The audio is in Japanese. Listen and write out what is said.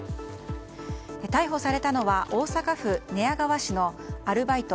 逮捕されたのは大阪府寝屋川市のアルバイト、